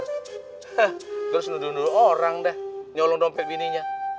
he terus nuduh nuduh orang dah nyolong dompet bininya